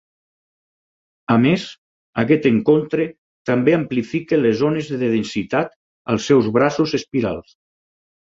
A més, aquest encontre també amplifica les ones de densitat als seus braços espirals.